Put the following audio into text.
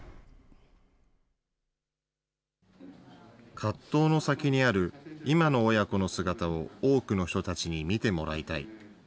葛藤の先にある今の親子の姿を多くの人たちに見てもらいたい。